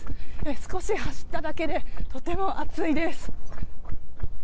少し走っただけでとても暑いです。